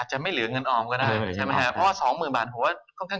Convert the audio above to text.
หรือยังจะกรุ่งกล้า